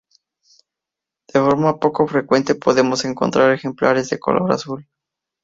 De forma poco frecuente podemos encontrar ejemplares de color azul.